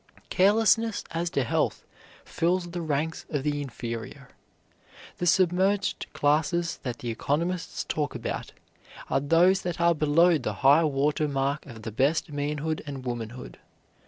Carelessness as to health fills the ranks of the inferior. The submerged classes that the economists talk about are those that are below the high water mark of the best manhood and womanhood.